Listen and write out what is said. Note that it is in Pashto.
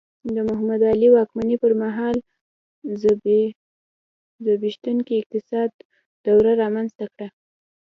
د محمد علي واکمنۍ پر مهال زبېښونکي اقتصاد دوره رامنځته کړه.